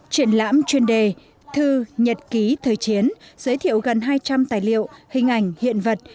triển lãm chuyên đề thư nhật ký thời chiến giới thiệu gần hai trăm linh tài liệu hình ảnh hiện vật